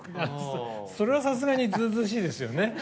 それはさすがにずうずうしいですよね。